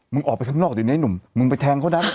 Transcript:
ออกไปข้างนอกเดี๋ยวไอ้หนุ่มมึงไปแทงเขานะ